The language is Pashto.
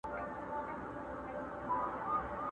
چي یوازي یې ایستله کفنونه!.